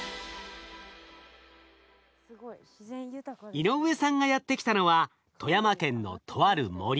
井上さんがやって来たのは富山県のとある森。